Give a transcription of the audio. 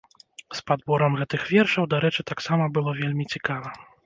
З падборам гэтых вершаў, дарэчы, таксама было вельмі цікава.